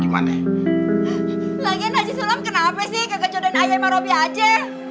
lagian haji sulem kenapa sih kagak codain ayah sama robby aja